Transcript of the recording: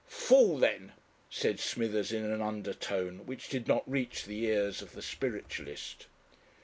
"Fool, then," said Smithers in an undertone which did not reach the ears of the spiritualist.